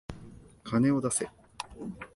金を出せ。